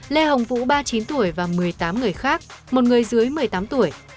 lê hồng vũ ba mươi chín tuổi và một mươi tám người khác một người dưới một mươi tám tuổi